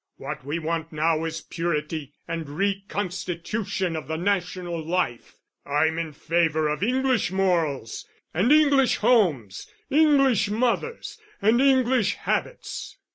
What we want now is purity and reconstitution of the national life. I'm in favour of English morals, and English homes, English mothers, and English habits."